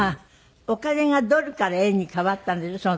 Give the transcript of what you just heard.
お金がドルから円に換わったんでしょ？